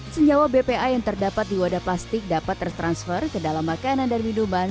senyawa bpa yang terdapat di wadah plastik dapat tertransfer ke dalam makanan dan minuman